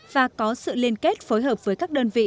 và có sự liên kết phối hợp với các đơn vị